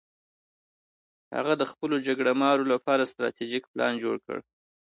هغه د خپلو جګړه مارو لپاره ستراتیژیک پلان جوړ کړ.